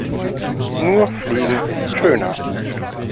Nur Fliegen ist schöner.